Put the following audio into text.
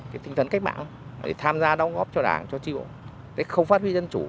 cái tinh thần cách mạng để tham gia đóng góp cho đảng cho tri bộ để không phát huy dân chủ